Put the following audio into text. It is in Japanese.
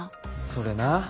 それな。